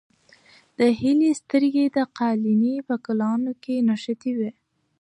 د هیلې سترګې د قالینې په ګلانو کې نښتې وې.